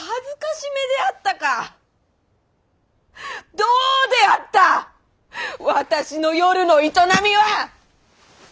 どうであった私の夜の営みは？